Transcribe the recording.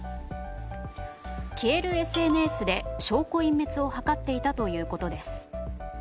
消えるＳＮＳで証拠隠滅を図っていたということです。